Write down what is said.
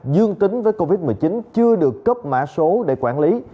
dương tính với covid một mươi chín chưa được cấp mã số để quản lý